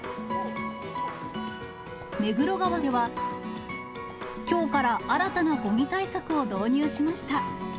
目黒川では、きょうから新たなごみ対策を導入しました。